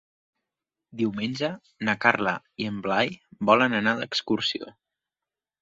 Diumenge na Carla i en Blai volen anar d'excursió.